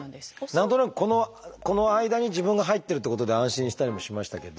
何となくこの間に自分が入ってるってことで安心したりもしましたけど。